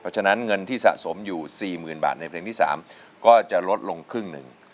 เพราะฉะนั้นเงินที่สะสมอยู่๔๐๐๐บาทในเพลงที่๓ก็จะลดลงครึ่งหนึ่ง